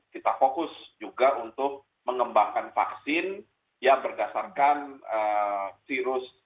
kita fokus juga untuk mengembangkan vaksin yang berdasarkan virus